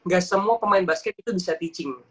gak semua pemain basket itu bisa teaching